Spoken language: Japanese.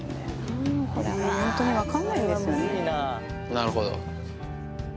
なるほど。